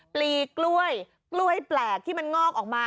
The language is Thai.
ปลีกล้วยแปลกที่มันงอกออกมา